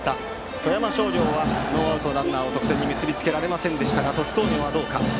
富山商業はノーアウトのランナーを得点には結び付けられませんでしたが鳥栖工業はどうか。